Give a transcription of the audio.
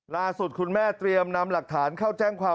ล่าสุดคุณแม่เตรียมนำหลักฐานเข้าแจ้งความ